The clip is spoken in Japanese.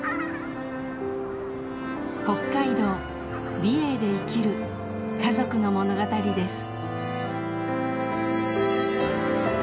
北海道・美瑛で生きる家族の物語です。